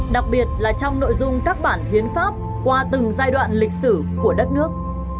đặc biệt là trong nội dung các bản hiến pháp qua từng giai đoạn lịch sử của đất nước